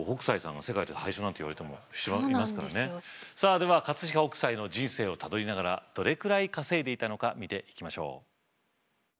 さあでは飾北斎の人生をたどりながらどれくらい稼いでいたのか見ていきましょう。